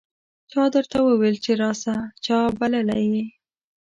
چا درته وویل چې راسه ؟ چا بللی یې